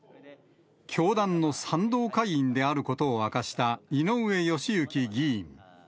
教団の賛同会員であることを明かした井上義行議員。